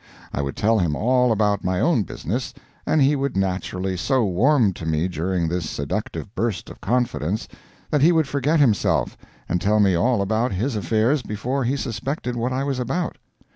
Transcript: I would tell him all about my own business, and he would naturally so warm to me during this seductive burst of confidence that he would forget himself, and tell me all about his affairs before he suspected what I was about.